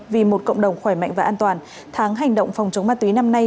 vì một cộng đồng khỏe mạnh và an toàn tháng hành động phòng chống ma túy năm nay